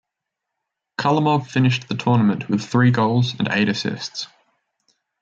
Kharlamov finished the tournament with three goals and eight assists.